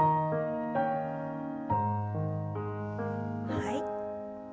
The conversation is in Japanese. はい。